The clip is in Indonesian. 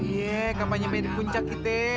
iya kapan nyemain di puncak gitu